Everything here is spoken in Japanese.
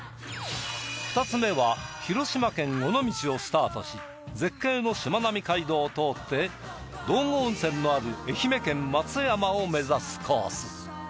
２つ目は広島県尾道をスタートし絶景のしまなみ海道を通って道後温泉のある愛媛県松山を目指すコース。